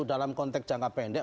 dalam konteks jangka pendek